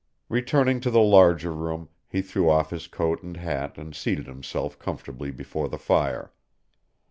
Returning to the larger room, he threw off his coat and hat and seated himself comfortably before the fire.